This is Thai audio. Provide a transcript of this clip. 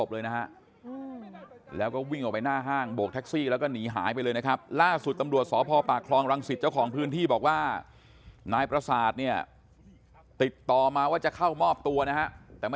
ว่าเขาบอกว่าจะมาเร็วนี้ค่ะก็เลยไม่รู้เร็วนี้เนี้ยจะเมื่อ